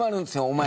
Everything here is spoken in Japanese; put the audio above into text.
お前！